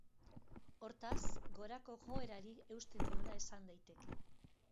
Hortaz, gorako joerari eusten diola esan daiteke.